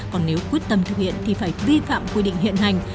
còn nếu quyết tâm thực hiện thì phải vi phạm quy định hiện hành